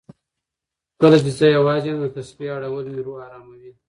کله چې زه یوازې یم، د تسبېح اړول مې روح اراموي.